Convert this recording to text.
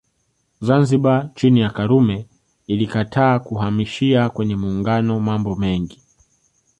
Zanzibar chini ya Karume ilikataa kuhamishia kwenye Muungano mambo mengi